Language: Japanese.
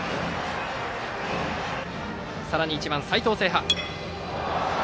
さらに１番、齊藤聖覇。